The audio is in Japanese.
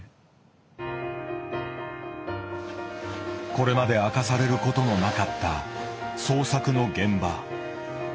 これまで明かされることのなかった創作の現場。